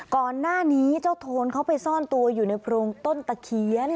ก่อนหน้านี้เจ้าโทนเขาไปซ่อนตัวอยู่ในโพรงต้นตะเคียน